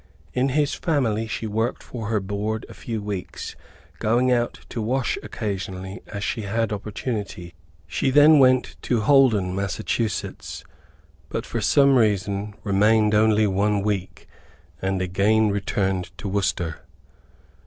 In his family she worked for her board a few weeks, going out to wash occasionally as she had opportunity. She then went to Holden Mass., but for some reason remained only one week, and again returned to Worcester.